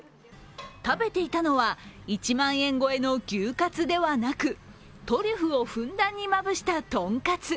食べていたのは、１万円超えの牛かつではなくトリュフをふんだんにまぶしたとんかつ。